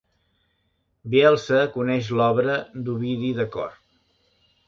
Bielsa coneix l'obra d'Ovidi de cor.